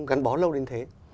gắn bó lâu đến thế